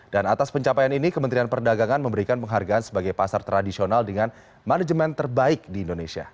dan atas pencapaian ini kementerian perdagangan memberikan penghargaan sebagai pasar tradisional dengan manajemen terbaik di indonesia